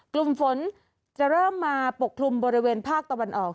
กลุ่มฝนจะเริ่มมาปกคลุมบริเวณภาคตะวันออก